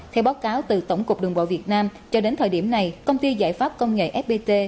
theo báo cáo từ tổng cục đường bộ việt nam cho đến thời điểm này công ty giải pháp công nghệ fpt